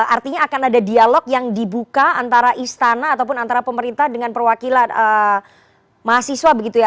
artinya akan ada dialog yang dibuka antara istana ataupun antara pemerintah dengan perwakilan mahasiswa begitu ya